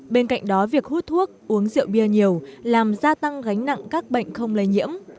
bên cạnh đó việc hút thuốc uống rượu bia nhiều làm gia tăng gánh nặng các bệnh không lây nhiễm